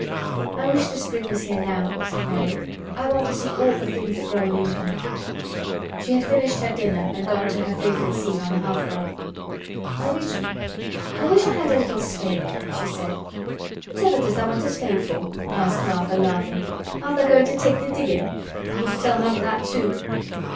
"I wish the spring was here now," said Mary. "I want to see all the things that grow in England." She had finished her dinner and gone to her favorite seat on the hearth rug. "I wish—I wish I had a little spade," she said. "Whatever does tha' want a spade for?" asked Martha, laughing. "Art tha' goin' to take to diggin'? I must tell mother that, too."